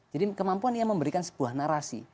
jadi kemampuan dia memberikan sebuah narasi